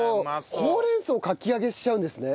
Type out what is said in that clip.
ほうれん草をかき揚げしちゃうんですね。